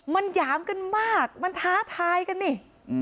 มันหยามกันมากมันท้าทายกันนี่